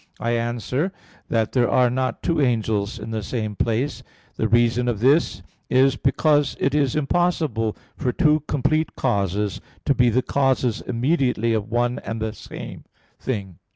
I answer that, There are not two angels in the same place. The reason of this is because it is impossible for two complete causes to be the causes immediately of one and the same thing.